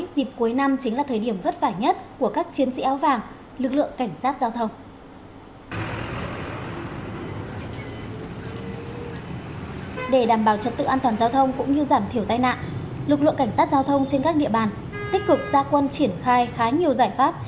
lực lượng cảnh sát giao thông trên các địa bàn tích cực ra quân triển khai khá nhiều giải pháp